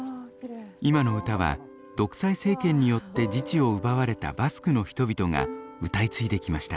今の歌は独裁政権によって自治を奪われたバスクの人々が歌い継いできました。